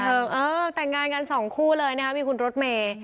เออแต่งงานกันสองคู่เลยนะครับมีคุณรถเมย์